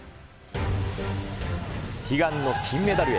悲願の金メダルへ。